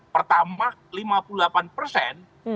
pertama lima puluh delapan persen